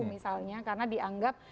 misalnya karena dianggap